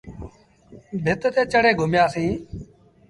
ڀت تي چڙهي گھمآسيٚݩ۔